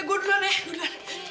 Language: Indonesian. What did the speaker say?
gua duluan ya